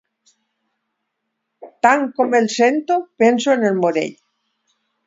Tal com el sento penso en el Morell.